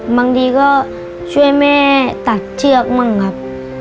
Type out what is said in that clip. บางทีก็ช่วยแม่ตัดเชือกมั่งครับ